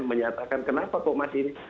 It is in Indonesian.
menyatakan kenapa kok masih